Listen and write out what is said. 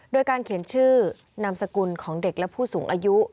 โดยการเขียนชื่อนามสกุลของเด็กและผู้สูงอายุ